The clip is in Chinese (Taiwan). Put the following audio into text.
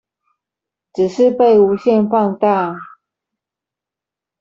只是被無限放大